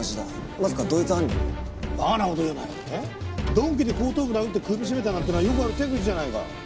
鈍器で後頭部殴って首絞めたなんていうのはよくある手口じゃないか。